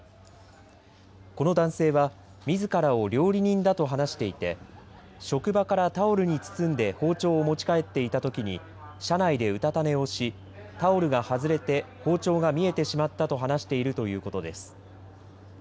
この男性はみずからを料理人だと話していて職場からタオルに包んで包丁を持ち帰っていたときに車内でうたた寝をしタオルが外れて包丁が見えてしまったと話しているということです。